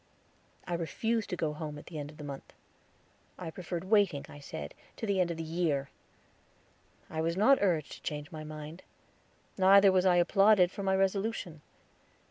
I refused to go home at the end of the month. I preferred waiting, I said, to the end of the year. I was not urged to change my mind; neither was I applauded for my resolution.